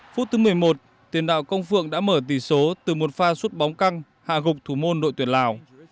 phút thứ một mươi một tiền đạo công phượng đã mở tỷ số từ một pha suốt bóng căng hạ gục thủ môn đội tuyển lào